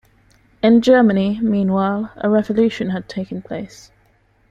In Germany, meanwhile, a revolution had taken place.